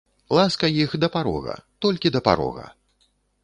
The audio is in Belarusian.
Ласка іх да парога, толькі да парога.